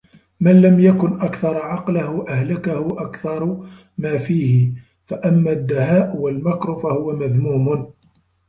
مَنْ لَمْ يَكُنْ أَكْثَرَ عَقْلَهُ أَهْلَكَهُ أَكْثَرُ مَا فِيهِ فَأَمَّا الدَّهَاءُ وَالْمَكْرُ فَهُوَ مَذْمُومٌ